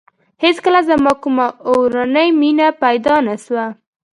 هېڅکله زما کومه اورنۍ مینه پیدا نه شوه.